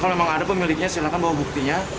kalau memang ada pemiliknya silakan bawa buktinya